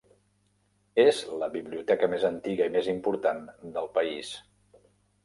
És la biblioteca més antiga i més important del país.